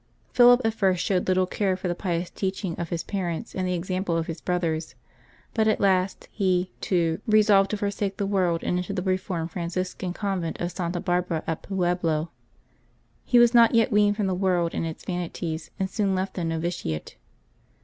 Philip at first showed little care for the pious teaching of his parents and the example of his brothers, but at last he, too, resolved to forsake the world, and entered the Eeformed Franciscan Convent of Santa Barbara at Pueblo. He was not yet weaned from the world and its vanities, and soon left the novitiate.